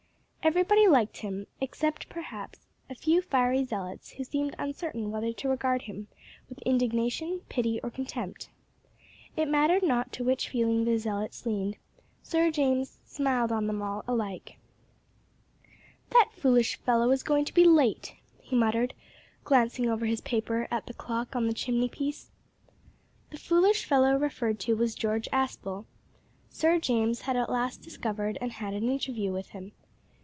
Everybody liked him, except perhaps a few fiery zealots who seemed uncertain whether to regard him with indignation, pity, or contempt. It mattered not to which feeling the zealots leaned, Sir James smiled on them all alike. "That foolish fellow is going to be late," he muttered, glancing over his paper at the clock on the chimney piece. The foolish fellow referred to was George Aspel. Sir James had at last discovered and had an interview with him.